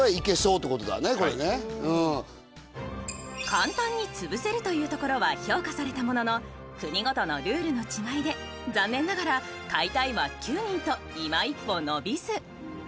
簡単に潰せるというところは評価されたものの国ごとのルールの違いで残念ながら「買いたい」は９人といま一歩伸びず